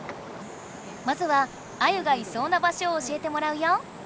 まずはアユがいそうな場所を教えてもらうよ。